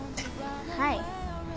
はい。